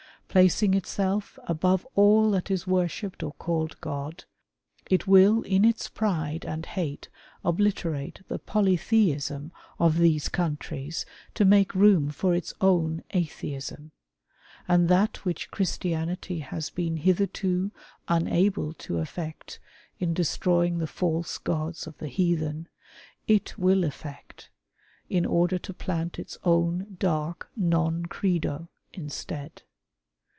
Placing itself "above all that is worshipped or called God," it will in its pride and hate obliterate the politheism of these countries to make room for its own Atheism; and that which Christianity has been hitherto unable to effect iu destroying the false gods of the heathen, it will effect, in order to plant its own dark non credo instead.